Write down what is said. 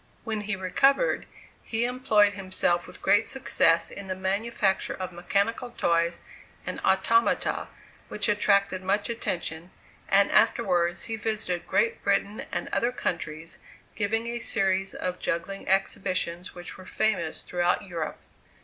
When he recovered, he employed himself with great success in the manufacture of mechanical toys and automata which attracted much attention, and afterwards he visited Great Britain and other countries, giving a series of juggling exhibitions which were famous throughout Europe.